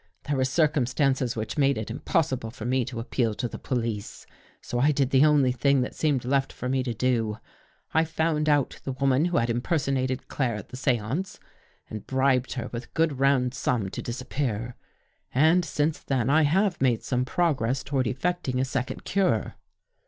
" There were circumstances which made it irn^ possible for me to appeal to the police, so I did the only thing that seemed left for me to do. I found out the woman who had impersonated Claire at the seance and bribed her with a good round sum to dis appear. And since then I have made some progress toward effecting a second cure."